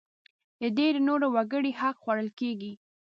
د ډېری نورو وګړو حق خوړل کېږي.